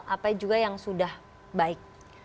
apa juga yang sudah baik